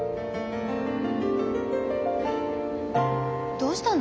どうしたの？